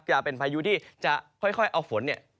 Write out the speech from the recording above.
จะเป็นพายุที่จะค่อยเอาฝนเนี่ย